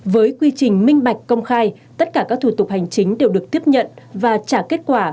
với quy trình minh bạch công khai tất cả các thủ tục hành chính đều được tiếp nhận và trả kết quả